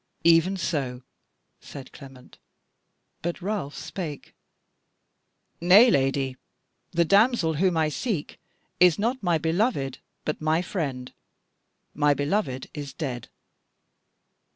"Even so," said Clement. But Ralph spake: "Nay, Lady, the damsel whom I seek is not my beloved, but my friend. My beloved is dead."